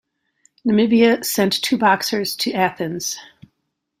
Namibia sent two boxers to Athens.